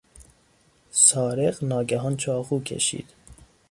سارق ناگهان چاقو کشید.